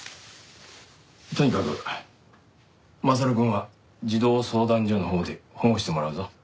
とにかく将くんは児童相談所のほうで保護してもらうぞ。